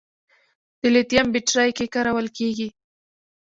د لیتیم بیټرۍ کې کارول کېږي.